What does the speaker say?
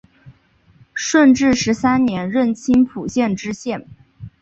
顺治十三年任青浦县知县。